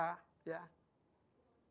penerobos dan penyerang